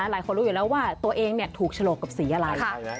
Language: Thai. หลายคนรู้อยู่แล้วว่าตัวเองถูกฉลกกับสีอะไร